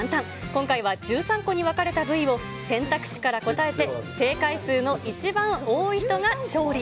今回は１３個に分かれた部位を、選択肢から答えて正解数の一番多い人が勝利。